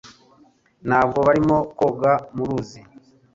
Ntabwo barimo koga mu ruzi